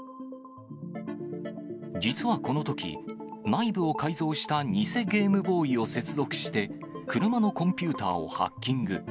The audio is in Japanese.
実はこのとき、内部を改造した偽ゲームボーイを接続して、車のコンピューターをハッキング。